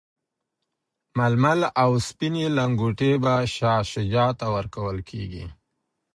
ململ او سپیني لنګوټې به شاه شجاع ته ورکول کیږي.